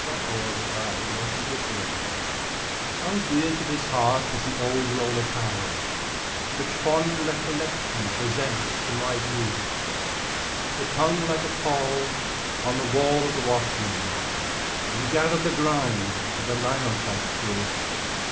THE OLD ROLLER TOWEL How dear to this heart is the old roller towel Which fond recollection presents to my view. It hung like a pall on the wall of the washroom, And gathered the grime of the linotype crew.